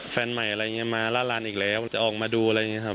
แฟนใหม่มาร่านร้านอีกแล้วจะออกมาดู